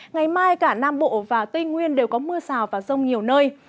ngày mai cả nam bộ và tây nguyên đều có mưa rào và rông nhiều nơi